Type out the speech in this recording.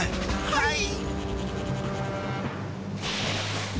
はい！